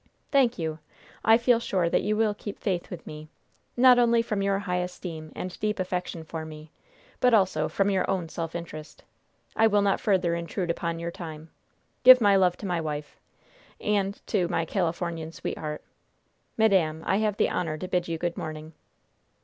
"Thank you! I feel sure that you will keep faith with me not only from your high esteem and deep affection for me, but also from your own self interest. I will not further intrude upon your time. Give my love to my wife, and to my Californian sweetheart. Madam, I have the honor to bid you good morning!"